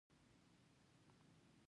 کارکوونکي د بست په اساس دنده ترسره کوي.